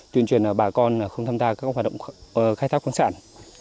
tuyên truyền bà con không tham gia các hoạt động khai thác khoáng sản